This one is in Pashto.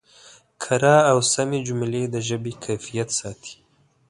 کره او سمې جملې د ژبې کیفیت ساتي.